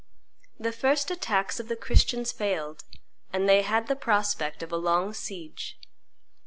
The first attacks of the Christians failed; and they had the prospect of a long siege.